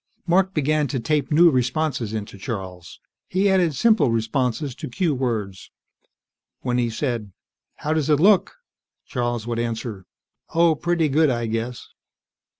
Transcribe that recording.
Mark began to tape new responses into Charles. He added simple responses to cue words. When he said, "How does it look?" Charles would answer, "Oh, pretty good, I guess."